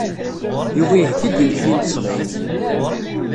Yuba iheyya-d imekli n tṣebḥit.